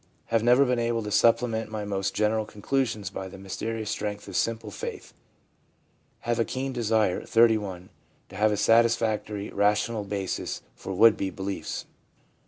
Have never been able to supplement my most general con clusions by the mysterious strength of simple faith Have a keen desire (31) to have a satisfactory rational basis for would be beliefs/ M.